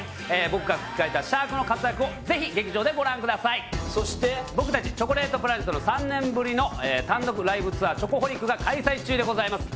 僕が吹き替えたシャークの活躍をぜひ劇場でご覧くださいそして僕達チョコレートプラネットの３年ぶりの単独ライブツアー「ＣＨＯＣＯＨＯＬＩＣ」が開催中でございます